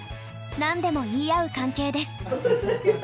何でも言い合う関係です。